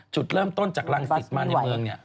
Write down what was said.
จุดเริ่มต้นจากรังสิตมาในเมืองเนี่ย